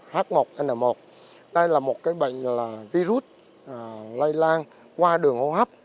h một n một đây là một cái bệnh là virus lây lan qua đường hô hấp